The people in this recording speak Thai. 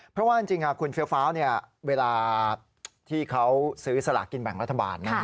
เพราะว่าจริงคุณเฟี้ยวฟ้าวเวลาที่เขาซื้อสลากินแบ่งรัฐบาล